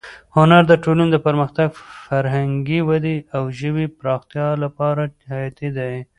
هنر د ټولنې د پرمختګ، فرهنګي ودې او ژبې د پراختیا لپاره حیاتي دی.